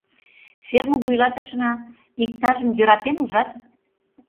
Ферма вуйлатышына иктажым йӧратен, ужат!